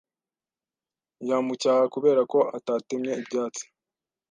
Yamucyaha kubera ko atatemye ibyatsi.